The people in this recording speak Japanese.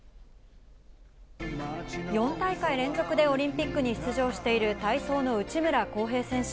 ４大会連続でオリンピックに出場している体操の内村航平選手。